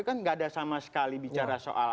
kan nggak ada sama sekali bicara soal